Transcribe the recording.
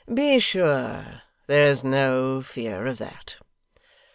'Be sure there is no fear of that.